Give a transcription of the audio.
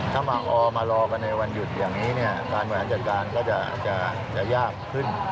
ถ้าบางออมารอกันในวันหยุดอย่างนี้เนี่ยการบริหารจัดการก็จะยากขึ้น